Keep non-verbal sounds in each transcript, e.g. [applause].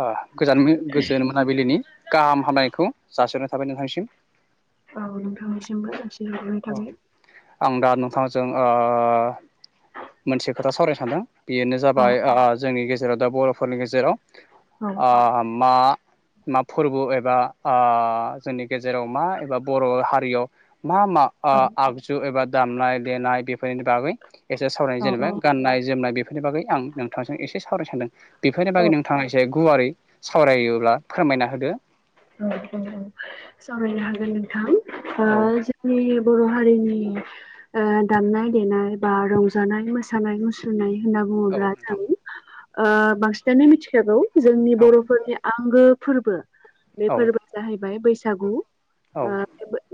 ओ गोजान गोजोन मोनाबिलिनि गाहाम हामायखौ जाासनाय थाबाय नोंथांनिसिम औ नोंथांनिसिमबो सानससेहरनाय थाबाय आं दा नोंथांजों ओ मोनसे खोथा सावरायनो सानदों बेनो औ जाबाय ओ जोंनि गेजेराव दा बर'फोरनि गेजेराव औ ओ मा मा फोरबो एबा ओ जोंनि गेजेराव मा एबा बर' हारियाव मा मा ओ औ आगजु एबा दामनाय देनाय बेफोरनि बागै सावरायनाय जेनेबा औ गाननाय जोमनाय बेफोरनि बागै आं नोंथांजों एसे सावरायनो सानदों बेफोरनि औ बागै नोंथाङा [unintelligible] गुवारै सावरायोब्ला फोरमायना होदो औ औ औ सावरायनो हागोन नोंथां ओ औ जोंनि बर' हारिनि ओ दामनाय देनाय बा रंजानाय मोसानाय मुसुरनाय होनना औ बुङोब्ला नोंथां जों ओ बांसिनानो मिथिखागौ जोंनि औ बर'फोरनि आंगो फोरबो बे औ फोरबोआ जाहैबाय बैसागु औ ओ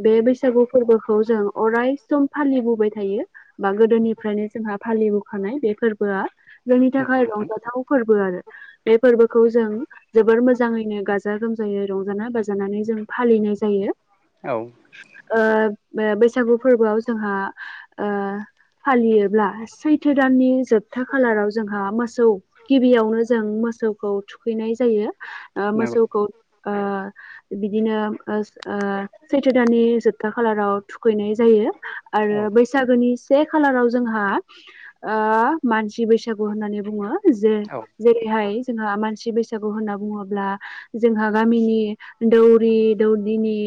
बे बैसागु फोरबोखौ जों अरायसम फालिबोबाय थायो बा गोदोनिफ्रायनो जोंहा फालिबोखानाय बे फोरबोआ जोंनि नंगौ थाखाय नोंथां रंजाथाव फोरबो आरो बे फोरबोखौ जों जोबोर मोजांङैनो गाजा गोमा जायो रंजानाय बाजानानै जों फालिनाय जायो औ ओ बैसागु फोरबोआव जोंहा ओ फालियोब्ला सैथो दाननि जोबथा खालाराव जोंहा मोसौ गिबियावनो जों मोसौखौ थुखैनाय जायो ओ नंगौ मोसौखौ ओ बिदिनो ओ सैथो दाननि जोबथा खालाराव थुखैनाय जायो औ आरो बैसागोनि से खालाराव जोंहा ओ मानसि बैसागु होननानै बुङो जे औ जेरैहाय जोंहा मानसि बैसागु होनना बुंङोब्ला जोंहा गामिनि दौरि दौदिनि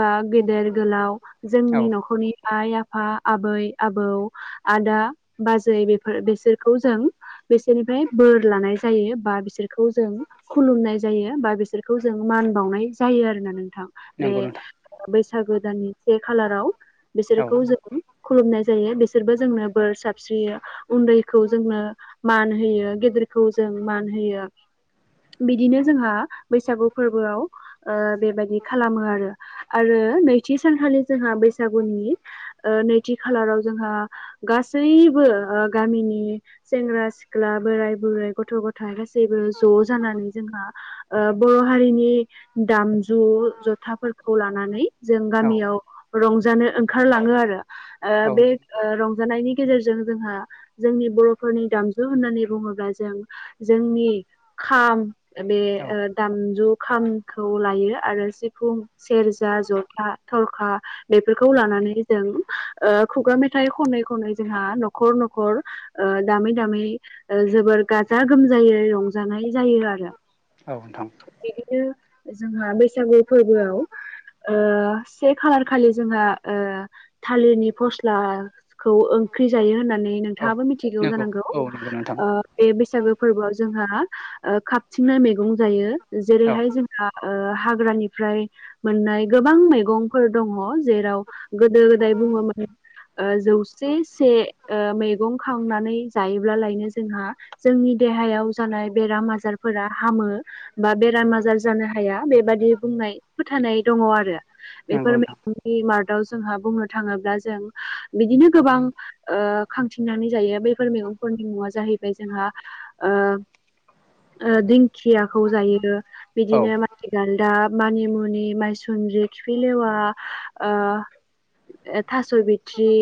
बा गेदेर गोलाव औ जोंनि न'खरनि आइ आफा आबै आबौ आदा बाजै बेफोर बेसोरखौ जों बिसोरनिफ्राय बोर लानाय जायो बा बिसोरखौ जों खुलुमनाय जायो बा बिसोर खौ जों मान बावनाय जायो आरोोना नोंथां बे नंगौ नोंथां बैसागो दाननि से खालाराव औ बिसोरखौ जों खुलुमनाय जायो बिसोरबो जोंनो बोर सारस्रियो उन्दैखौ जोंनो मान होयो गेदेरखौ जों मान होयो बिदिनो जोंहा बैसागु फोरबोआव ओ बेबायदि खालामो आरो आरो नैथि सानखालि जोंहा बैसागुनि ओ नैथि खालाराव जोंहा गास गासैबो ओ गामिनि सेंग्रा सिख्ला बोराय बुरै गथ' गथाय गासैबो ज' जानानै जोंहा ओ बर' हारिनि दामजु जथाफोरखौ लानानै जों औ गामियाव रंजानो ओंखारलाङो आरो ओ औ बे ओ रंजानायनि गेजेरजों जोंहा जोंनि बर'फोरनि दामजु होननानै बुङोब्ला जों जोंनि खाम ओ बे औ ओ दामजु खामखौ लायो आरो सिफुं सेरजा जथा थरखा बेफोरखौ लानानै जों ओ खुगा मेथाइ खनै खनै जोंहा न'खर न'खर ओ दामै दामै ओ जोबोर गाजा गोमजायै रंजानाय जायो आरो। औ नोंथां। ओ जोंहा बैसागु फोरबोआव ओ से खालार खालि जोंहा ओ थालिरनि फस्लाखौ ओंख्रि जायो होननानै औ नोंथाङ मिथिगौ‌ नंगौ जानांगौ औ नंगौ नोंथां ओ बे बैसागो फोरबोआव। जोंहा ओ खाबथिंनाय मैगं जायो, औ जेरैहाय जोंहा ओ हाग्रानिफ्राय मोननाय गोबां मैगंफोर दङ जेराव गोदो गोदाय। बुङा मानो ओ जौसे से ओ मैगं खांनानै जायोब्लालायनो जोंहा जोंनि देहायाव जानाय बेराम आजारफोरा हामो। बा बेराम आजार जानो हाया बेबादि बुंनाय फोथायनाय दङ आरो नंगौ बेफोरबाय नोंथां गिमार्टआव जोंहा बुंनो थाङोब्ला जों बिदिनो गोबां ओ खांथिंनानै जायो। बेयो बैफोर मैगंफोरनि मुङा जाहैबाय जोंहा ओ ओ दिंखि खियाखौ जायोदो औ बिदिनो माथि गालदाब मानिमुनि माइसुनद्रि खिफिलेवा‌ ओ ए थास' बिथ्रि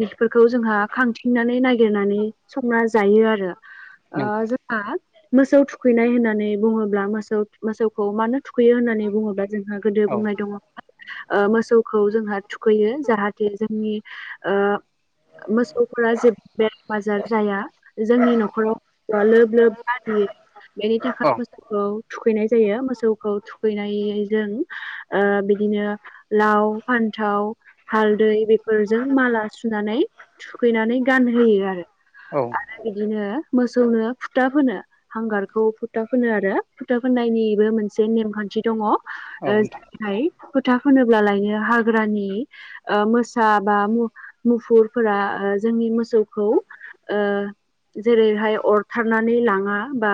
बेफोरखौ जोंहा खांथिंनानै नागिरनानै संना जायो आरो। ओ नंगौ जोंहा मोसौ थुख थुखैनाय होननानै बुङोब्ला मोसौ मोसौखौ मानो थुखैयो होननानै बुङोब्ला जोंहा गोदो औ बुंनाय दङ। ओ मोसौखौ जोंहा थुखैयो जाहाथे जोंनि ओ मोसौफोरा जेबो बेमार आजार जाया जोंनि न'खराव मोसौआ लोब लोब बारियो बेनि औ थाखाय मोसौखौ थुखैनाय जायो, मोसौखौ थुखैनाय जों ओ बिदिनो लाव फान्थाव हालदै बेफोरजों माला सुनानै थुखैनानै गानहोयो आरो औ आरो बिदिनो मोसौनो फुथा फोनो। हांगारखौ फुथा फोनो आरो फुथा फोननायनिबो मोनसे नेमखान्थि दङ। ओ नोंथां जोंनिहाय फोथा फोनोबालायनो हाग्रानि ओ मोसा बा मु मुफुरफोरा ओ जोंनि मोसौखौ ओ जेरैहाय अरथारनानै लाङा बा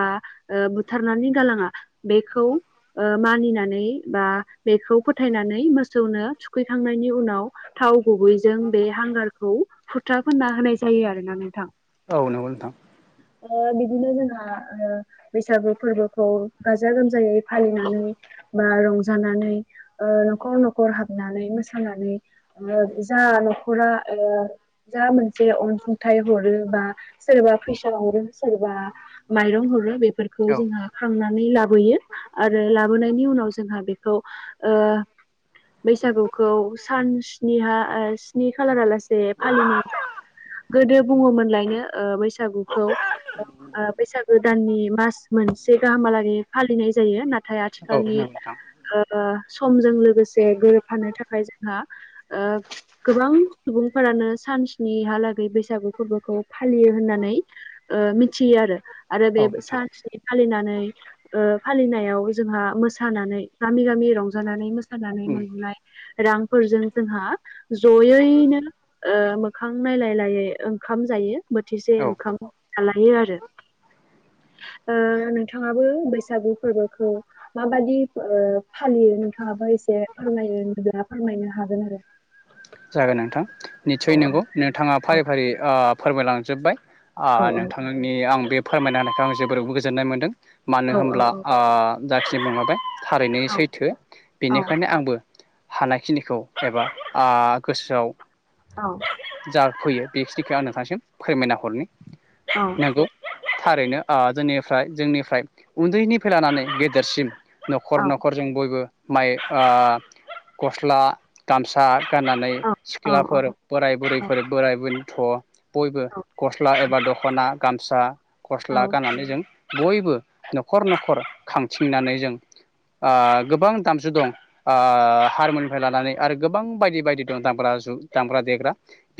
ओ बुथारनानै गालाङा बेखौ ओ मानिनानै बा बे बेखौ फोथायनानै मोसौनो थुखैखांनायनि उनाव थाव गुबैजों बे हांगारखौ फोथा फुनना होनाय जायो आरोना नोंथां। औ नंगौ नोंथां। अ बिदिनो जोंना ओ बैसागु फोरबोखौ गाजा गोमजायै फालिनानै बा रंजानानै ओ न'खर न'खर हाबनानै मोसानानै ओ जा न'खरा एबा जा मोनसे अनसुंथाइ हरो बा सोरबा फैसा हरो सोरबा माइरं हरो बेफोरखौ औ जोंहा खांनानै लाबोयो, आरो लाबोनायनि उनाव जोंहा बेखौ ओ बैसागुखौ सान स्निहा स्नि खालारालासे फालिनाय जा गोदो बुङोमोनलायनो ओ बैसागुखौ ओ बैसागो दाननि मास मोनसे गाहामलागै फालिनाय जायो नाथ नाथाय औ नंगौ आथिखालनि नोंथां ओ समजों लोगोसे गोरोबफानो थाखाय जोंहा ओ गोबां सुबुंफोरानो सानस्निहालागै बैसागु फोरबोखौ फालियो होननानै। ओ मिथियो आरो आरो औ बे सानस्नि फालिनानै ओ फालिनायाव जोंहा मोसानानै गामि गामि रंजानानै मोसानानै। नोंथां मोननाय रांफोरजों जोंहा ज'यैनो ओ मोखां नायलायलाय। से ओंखाम जायो बोथिसे औ ओंखाम जालायो आरो। [unintelligible] ओ नोंथाङाबो बैसागु फोरबोखौ माबादि ओ फालियो नोंथाङा? आबो एसे फोरमायनो [unintelligible] ब्ला फोरमायनो हागोन आरो। जागोन नोंथां निस्सय नंगौ नोंथाङा फारि फारि ओ फोरमायलांजोब्बाय आ नोंथांनि आं बे फोरमायनो होनायखौ आं जोबोरबो गोजोननाय मोनदों मानो होनब्ला आ [unintelligible] बो थारैनो सैथो बेनिखायनो आंबो हानायखिनिखौ एबा आ गोसोआव औ जा फैयो बेखिनिखौ आं नोंथांसिम फोरमायना हरनि नंगौ थारैनो ओ जोंनिफ्राय जोंनिफ्राय उन्दैनिफ्राय लानानै गेदेरसिम न'खर न'खर जों बयबो माइ गस्ला गामसा गाननानै सिख्लाफोर बोराय बुरैफोर बोराय बेन्थ' बयबो गस्ला एबा दख'ना गामसा गस्ला गाननानै जों बयबो न'खर न'खर खांथिंनानै जों ओ गोबां दामजु दं ओ हारमुनिनिफ्राय लानानै आरो गोबां बायदि बायदि दं दामग्रा जु दामग्रा देग्रा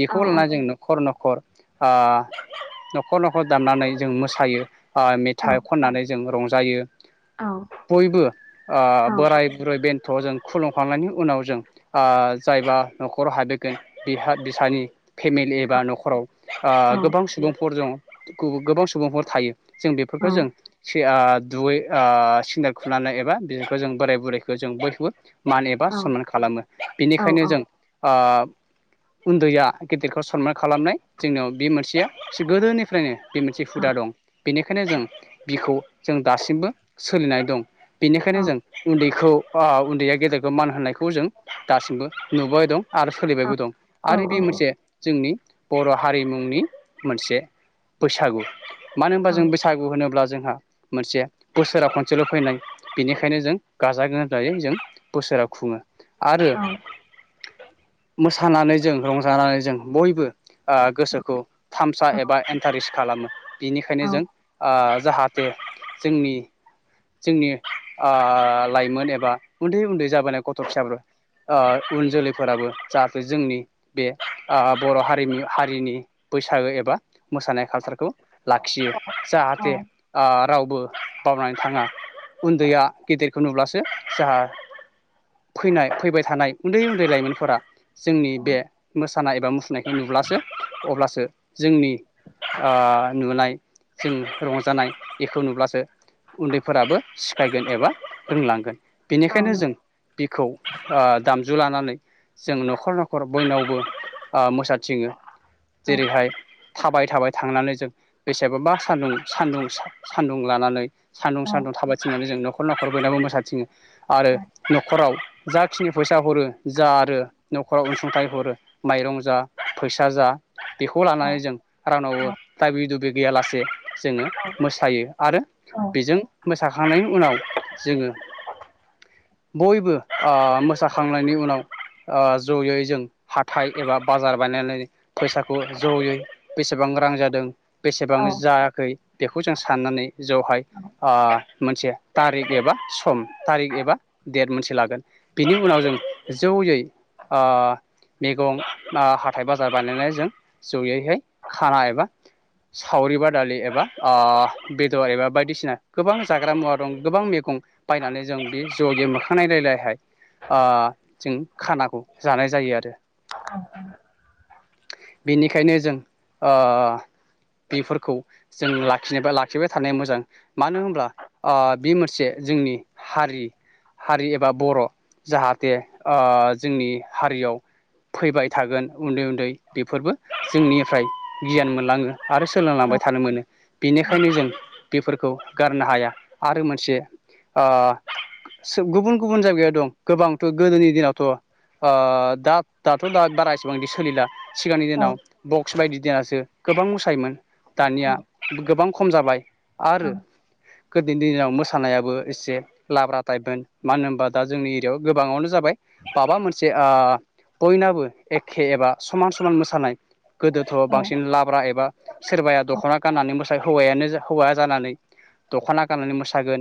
बेखौ लानानै जों न'खर न'ख खर ओ न'खर न'खर दामनानै जों मोसायो ओ मेथाइ खननानै जों रंजायो बयबो ओ बोराय बुरै बेन न्थ' जों खुलुमखांनायनि उनाव जों ओ‌ जायबा न'खराव हाबैगोन बिहा बिसानि फेमिलि एबा न'खराव ओ गोबां सुबुंफोर दं गुब गोबां सुबुंफोर थायो जों बेफोरखौ जों सिगां दुगै ओ सिन्देल खुनानै एबा बेखौ जों बोराय बुरैखौ जों बयखौबो मान एबा सनमान खालामो बिनिखायनो जों ओ उन्दैया गेदिरखौ सनमान खालामनाय जोंनियाव बे मोनसेया इसे गोदोनिफ्रायनो बे मोनसे हुदा दं बेनिखायनो जों बिखौ जों दासिमबो सोलिनानै दं बेनिखायनो जों उन्दैखौ उन्दैया गेदेरखौ मान होनायखौ जों दासिमबो नुबाय दं आरो सोलिबायबो दं आरो बे मोनसे जोंनि बर' हारि मुंनि मोनसे बैसागु मानो होनबा जों बैसागु होनोब्ला जोंहा मोनसेया बोसोरा खनसेल' फैनाय बेनिखायनो जों गाजा गोमजायै जों बोस सोराव खुङो आरो मोसानानै जों रंजानानै जों बयबो ओ गोसोखौ थामसा एबा एन्टारेस्ट खालामो बिनिखायनो जों ओ जाहाथे जोंनि जोंनि ओ लाइमोन एबा उन्दै उन्दै जाबोनाय गथ' फिसाफोर ओ उन जोलैफोराबो जा बे जोंनि बे ओ बर' हारिमु हारिनि बैसागो एबा मोसानाय कालसारखौ लाखियो जाहाथे ओ रावबो बावनानै थाङा उन्दैया गेदेरखौ नुब्लासो जाहा फैनाय फैबाय थानाय उन्दै उन्दै लाइमोनफोरा जोंनि बे मोसानाय एबा मुसुरनायखौ नुब्लासो अब्लासो जोंनि ओ नुनाय जों रंजानाय बेखौ नुब्लासो उन्दैफोराबो सिखायगोन एबा रोंलांगोन बेनिखायनो जों बिखौ ओ दामजु लानानै जों न'खर न'खर न'खर बयनावबो ओ मोसाथिङो जेरैहाय थाबाय थाबाय थांनानै जों बेसेबा सान्दुं सान्दुं सान्दुं लानानै सान्दुं सान्दुं थाबायथिंनानै जों न'खर न'खर नाबो मोसाथिङो आरो न'खराव जाखिनि फैसा हरो जा आरो न'खराव अनसुंथाइ हरो माइरं जा फैसा जा बेखौ लानानै जों राननावो दाबि दुबि गैयालासे जोङो मोसायो आरो बेजों मोसाखांनायनि उनाव जोङो बयबो ओ मोसाखांनायनि उनाव ओ ज'यै जों हाथाय एबा बाजार बायनानै फैसाखौ ज'यै बेसेबां रां रां जादों बेसेबां जायाखै बेखौ जों साननानै ज'हाय ओ मोनसे तारिक एबा सम थारिख एबा देट मोनसे लागोन बिनि उनाव जों ज'यै ओ मैगं ओ हाथाय बाजार बानायनाय जों ज'यैहाय खाना एबा सावरि बादालि एबा ओ बे दर एबा बायदिसिना गोबां जाग्रा मुवा दं गोबां मैगं बायनानै जों बे ज'यै मो खां नायलायलायहाय ओ जों खाना जानाय जायो आरो बेनिखायनो जों ओ बेफोरखौ जों लाखिनो बा लाखिबाय थानाया मोजां मानो होनब्ला ओ बे मोनसे जोंनि हारि हारि एबा बर' जाहाथे ओ जोंनि हारियाव फैबाय थागोन उन्दै उन्दै बेफोरबो जोंनिफ्राय गियान मोनलाङो आरो सोलोंलांबाय थानो मोनो। बेनिखायनो जों बेफोरखौ गारनो हाया आरो मोनसे ओ सो गुबुन गुबुन जायगायाव दं गोबांथ' गोदोनि दिनावथ' ओ दा दाथ' दा बारा एसेबांदि सोलिला सिगांनि दिनाव बक्स बायदि दोननासो गोबां मोसायोमोन दानिया गोबां खम जाबाय आरो गोदोनि दिनाव मोसानायाबो एसे लाब्रा टाइपमोन मानो होनबा दा जोंनि एरियायाव गोबाङावनो जाबाय माबा मोनसे ओ बयनाबो एखे एबा समान समान मोसानाय गोदोथ' बांसिन लाब्रा एबा सोरबाया दख'ना गाननानै मोसायो हौवायानो जा हौवा जानानै दख'ना गाननानै मोसागोन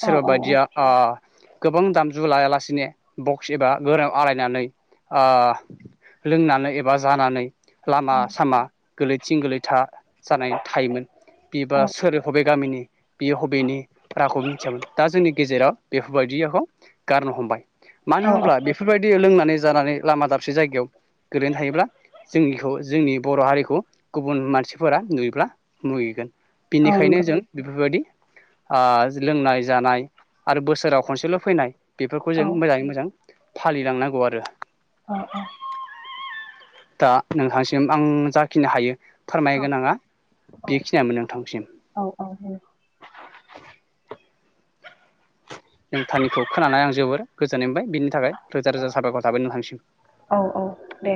सोरबा बायदिया ओ गोबां दामजु लायालासिनो बक्स एबा गोरायाव आलायनानै ओ लोंनानै एबा जानानै लामा सामा गोलैथिं गोलैथा जानानै थायोमोन। बिबा सोर हबे गामिनि बियो हबेनि रावखौबो मिथियामोन दा जोंनि गेजेराव बेफोरबायदि योखौ गारनो हमबाय औ मानो औ होनब्ला बेफोरबायदि लोंनानै जानानै लामा दाबसे जायगायाव गोलैना थायोब्ला जोंनिखौ जोंनि बर' हारिखौ गुबुन मानसिफोरा नुयोब्ला मुगैगोन। औ बिनिखायनो नंगौ जों बेफोरबायदि ओ लोंनाय जानाय आरो बोसोराव खनसेल' फैनाय बेफोरखौ जों मोजाङै मोजां जों फालिलांनांगौ आरो औ औ दा नोंथांसिम आं जाखिनि हायो औ फोरमायगोनाङा बेखिनियामोन नोंथांसिम औ [inaudible] नोंथांनिखौ खोनाना आं जोबोर गोजोननाय मोनबाय बिनि थाखाय रोजा रोजा साबायखर नोंथांनिसिम। औ औ दे